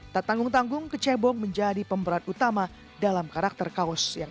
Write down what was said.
tak tanggung tanggung kecebong menjadi pemberat utama dalam karakter kaos yang